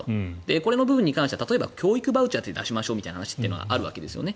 これに関しては例えば教育バウチャー出しましょうという話があるわけですね。